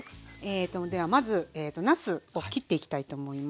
ではまずなすを切っていきたいと思います。